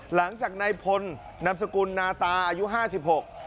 หลังจากนายพลนามสกุลนาตาอายุห้าสิบหก